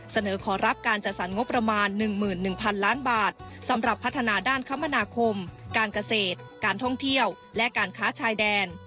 เสนอขอรับการจัดสรรงบประมาณ๑๑๐๐๐ล้านบาทสำหรับพัฒนาด้านคมนาคมการเกษตรการท่องเที่ยวและการค้าชายแดน